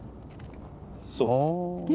そう。